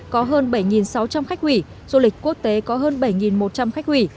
có hơn bảy sáu trăm linh khách hủy du lịch quốc tế có hơn bảy một trăm linh khách hủy